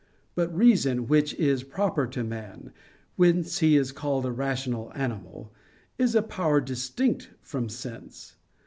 But reason, which is proper to man, whence he is called a rational animal, is a power distinct from sense.